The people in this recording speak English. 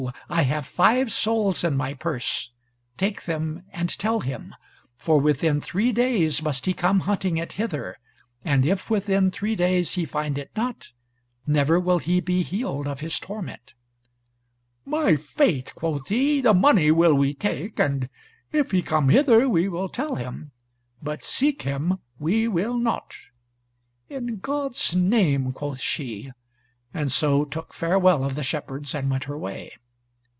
I have five sols in my purse, take them, and tell him: for within three days must he come hunting it hither, and if within three days he find it not, never will he be healed of his torment." "My faith," quoth he, "the money will we take, and if he come hither we will tell him, but seek him we will not." "In God's name," quoth she; and so took farewell of the shepherds, and went her way.